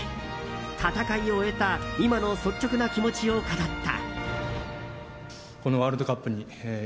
戦いを終えた今の率直な気持ちを語った。